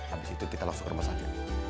habis itu kita langsung ke rumah sakit